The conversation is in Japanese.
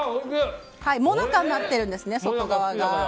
もなかになっているんですね外側が。